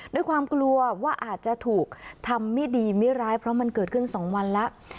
ด้วยความกลัวว่าอาจจะถูกทำไม่ดีไม่ร้ายเพราะมันเกิดขึ้น๒วันแล้ว